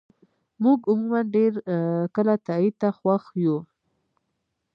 موږ عموماً ډېر کله تایید ته خوښ یو.